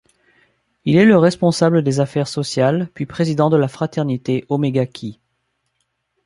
Il est le responsable des affaires sociales, puis président de la fraternité Omega Chi.